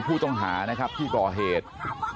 ผู้ต้องหานะครับที่ก่อเหตุ